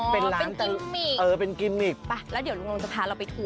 เป็นกิมมิกเออเป็นกิมมิกไปแล้วเดี๋ยวลุงลงจะพาเราไปทัว